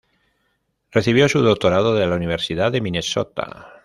Recibió su doctorado de la Universidad de Minnesota.